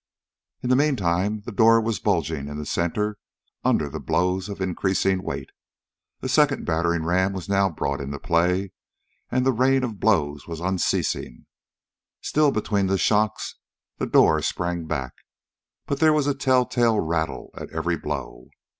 In the meantime the door was bulging in the center under blows of increasing weight. A second battering ram was now brought into play, and the rain of blows was unceasing. Still between shocks, the door sprang back, but there was a telltale rattle at every blow.